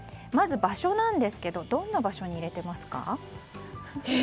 まず場所ですがどんな場所に入れてますか。